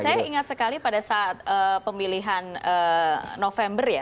saya ingat sekali pada saat pemilihan november ya